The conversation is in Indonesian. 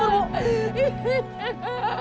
saskia kabur bu